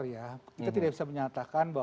kita tidak bisa menyatakan